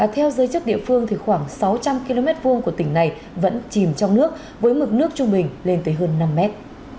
theo giới chức địa phương khoảng sáu trăm linh km hai của tỉnh này vẫn chìm trong nước với mực nước trung bình lên tới hơn năm mét